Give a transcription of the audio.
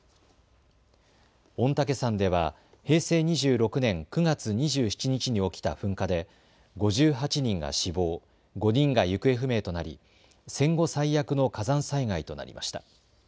御嶽山では平成２６年９月２７日に起きた噴火で５８人が死亡、５人が行方不明となり戦後最悪の火山災害となりました。